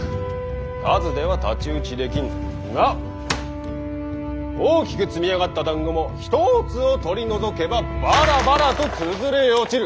数では太刀打ちできん。が大きく積み上がっただんごも一つを取り除けばばらばらと崩れ落ちる。